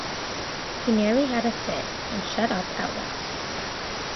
He nearly had a fit, and shut up at once.